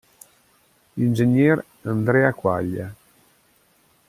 Ing. Andrea Quaglia.